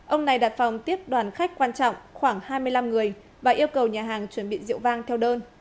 ông này đặt phòng tiếp đoàn khách quan trọng khoảng hai mươi năm người và yêu cầu nhà hàng chuẩn bị rượu vang theo đơn